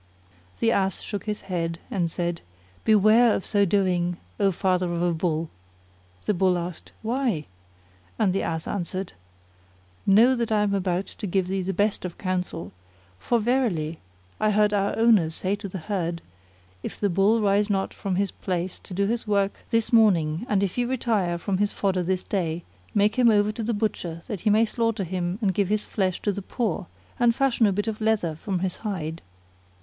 The Ass shook his head and said, "Beware of so doing, O Father of a Bull!" The Bull asked, "Why," and the Ass answered, "Know that I am about to give thee the best of counsel, for verily I heard our owner say to the herd, If the Bull rise not from his place to do his work this morning and if he retire from his fodder this day, make him over to the butcher that he may slaughter him and give his flesh to the poor, and fashion a bit of leather[FN#34] from his hide.